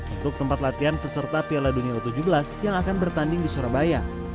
untuk tempat latihan peserta piala dunia u tujuh belas yang akan bertanding di surabaya